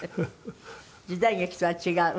時代劇とは違う？